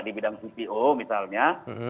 di bidang cpo misalnya